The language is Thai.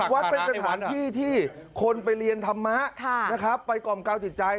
วัดเป็นสถานที่ที่คนไปเรียนธรรมะนะครับไปกล่อมกาวจิตใจ